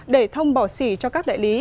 để thông bỏ xỉ cho các đại lý